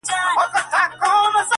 هم جوګي وو هم دروېش هم قلندر وو.!